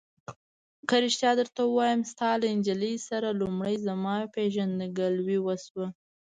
که رښتیا درته ووایم، ستا له نجلۍ سره لومړی زما پېژندګلوي وشوه.